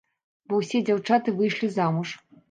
Бо ўсе дзяўчаты выйшлі замуж.